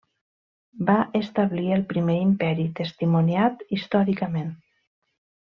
Va establir el primer imperi testimoniat històricament.